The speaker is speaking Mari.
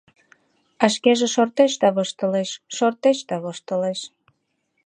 А шкеже шортеш да воштылеш, шортеш да воштылеш...